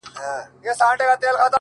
• مخ به در واړوم خو نه پوهېږم؛